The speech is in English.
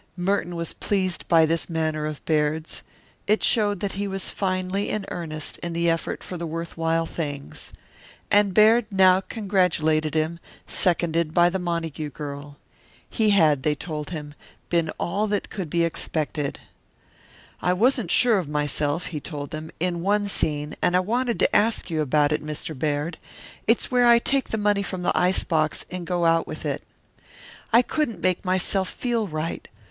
Merton was pleased by this manner of Baird's. It showed that he was finely in earnest in the effort for the worth while things. And Baird now congratulated him, seconded by the Montague girl. He had, they told him, been all that could be expected. "I wasn't sure of myself," he told them, "in one scene, and I wanted to ask you about it, Mr. Baird. It's where I take that money from the ice box and go out with it. I couldn't make myself feel right.